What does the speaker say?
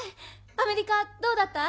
アメリカどうだった？